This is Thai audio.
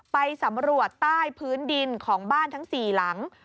ไปสำรวจใต้พื้นดินของบ้านทั้ง๔หลัง